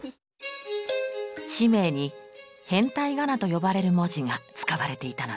氏名に変体仮名と呼ばれる文字が使われていたのです。